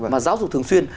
mà giáo dục thường xuyên